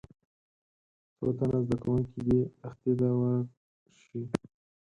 څو تنه زده کوونکي دې تختې ته ورشي.